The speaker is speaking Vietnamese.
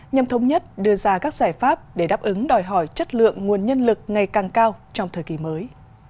nhằm thống nhất đưa ra các giải pháp để đáp ứng đòi hỏi chất lượng nguồn nhân lực ngày càng cao trong thời kỳ mới